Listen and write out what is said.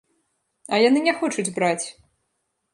А яны не хочуць браць!